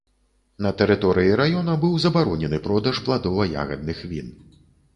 На тэрыторыі раёна быў забаронены продаж пладова-ягадных він.